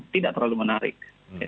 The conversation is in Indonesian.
tidak terlalu menarik